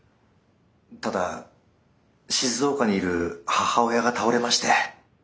ただ静岡にいる母親が倒れまして。